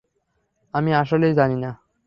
আমি আসলেই জানি না।